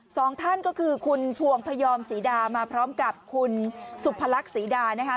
สองท่านก็คือคุณถวงพยอมสีดามาพร้อมกับคุณสุพระลักษมณ์สีดานะคะ